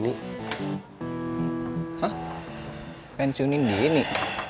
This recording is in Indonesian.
hah pensiunin dini